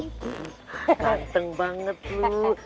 ganteng banget tuh